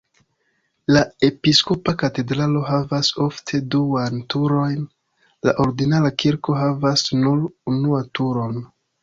La episkopa katedralo havas ofte duan turojn, la ordinara kirko havas nur unua turon.